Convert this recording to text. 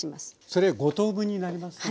それ「５等分」になりません？